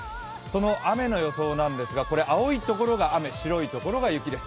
雨の予想なんですが青いところが雨、白いところが雪です。